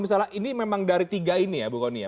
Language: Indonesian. misalnya ini memang dari tiga ini ya bukoni ya